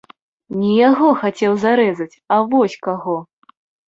Не яго хацеў зарэзаць, а вось каго.